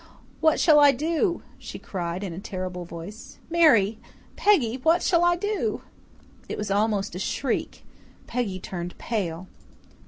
"What shall I do?" she cried in a terrible voice. "Mary Peggy what shall I do?" It was almost a shriek. Peggy turned pale.